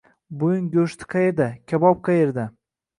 Bo'yin go'shti qayerda, kabob qaerda?